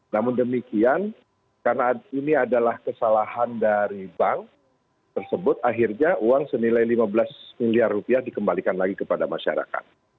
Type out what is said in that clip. namun demikian karena ini adalah kesalahan dari bank tersebut akhirnya uang senilai lima belas miliar rupiah dikembalikan lagi kepada masyarakat